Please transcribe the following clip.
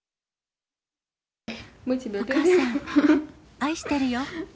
お母さん、愛してるよ。